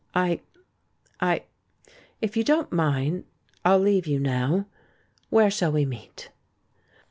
"I — I — If you don't mind, I'll leave you now. Where shall we meet?"